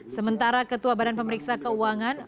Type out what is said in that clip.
sementara ketua badan pemeriksa keuangan